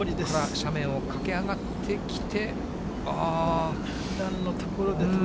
斜面を駆け上がってきて、ああー。